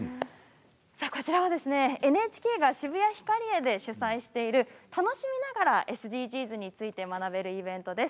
こちらはＮＨＫが渋谷ヒカリエで主催している楽しみながらＳＤＧｓについて学べるイベントです。